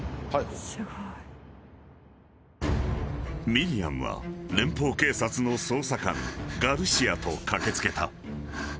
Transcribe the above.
［ミリアムは連邦警察の捜査官ガルシアと駆け付けた］